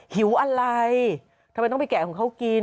หิวอะไรทำไมต้องไปแกะของเขากิน